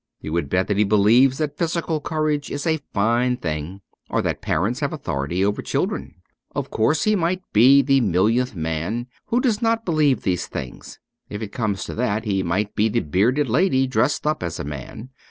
You would bet that he believes that physical courage is a fine thing, or that parents have authority over children. Of course, he might be the millioneth man who does not believe these things ; if it comes to that, he might be the Bearded Lady dressed up as a man.